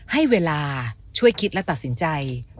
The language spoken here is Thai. ให้เวลาช่วยคิดและตัดสินใจ